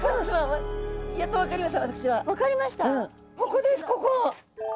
ここですここ。